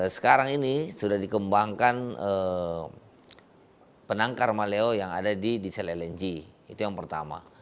sekarang ini sudah dikembangkan penangkar maleo yang ada di diesel lng itu yang pertama